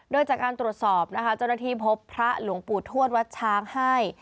โดยจากการตรวจสอบนะคะเจ้าหน้าที่พบพระหลวงปู่ทวดวัดช้างให้